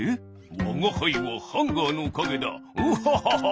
「わがはいはハンガーのかげだ。ウハハハハ！」。